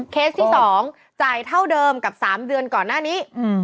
เคสที่๒จ่ายเท่าเดิมกับ๓เดือนก่อนหน้านี้